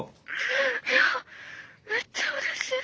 いやめっちゃうれしいです！